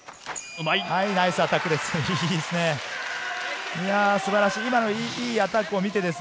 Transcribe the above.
ナイスアタックです！